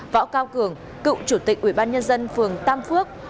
võ cao cường cựu chủ tịch ủy ban nhân dân phường tam phước